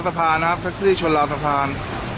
ราธภาณครับทักที่ชนราธภาณ